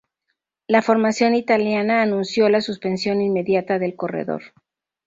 La formación italiana anunció la suspensión inmediata del corredor.